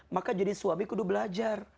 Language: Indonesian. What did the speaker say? maka jadi suami kudu belajar